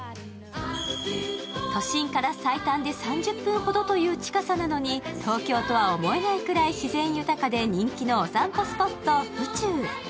都心から最短で３０分ほどという近さなのに東京とは思えないくらい自然豊かで人気のお散歩スポット、府中。